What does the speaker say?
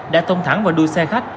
đã tông thẳng vào đuôi xe khách